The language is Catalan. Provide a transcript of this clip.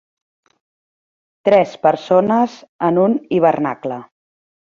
Tres persones en un hivernacle.